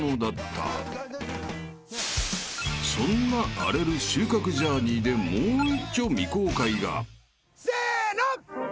［そんな荒れる収穫ジャーニーでもう一丁未公開が］せの。